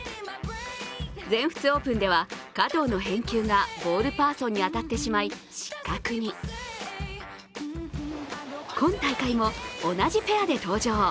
全仏オープンでは加藤の返球がボールパーソンに当たってしまい、失格に今大会も同じペアで登場。